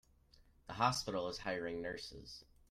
The hospital is hiring nurses.